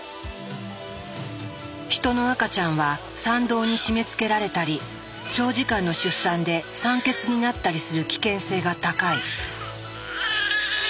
ヒトの赤ちゃんは産道に締めつけられたり長時間の出産で酸欠になったりする危険性が高い。